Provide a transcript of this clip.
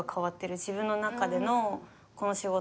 自分の中でのこの仕事。